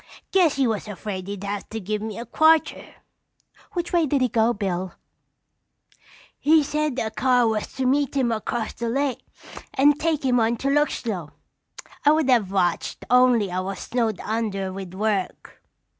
Guess he was afraid he'd have to give me a quarter." "Which way did he go, Bill?" "He said a car was to meet him across the lake and take him on to Luxlow. I would have watched only I was snowed under with work."